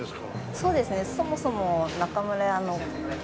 そうですねそもそも。